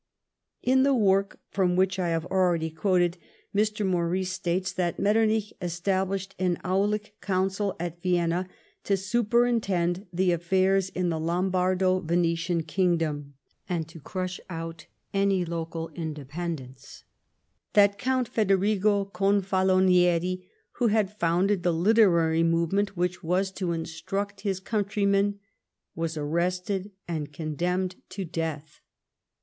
In the work from which I have aheady quoted,* Mr. Maurice states that Metternich estabhshed an Aulic Council at Vienna to superintend the affairs in the Lombardo Venetian kingdom, and to crush out any local independence ; that Count Federig o Conftilonieri, who had founded the literary movement which was to instruct his countrymen, was arrested and condemned to death.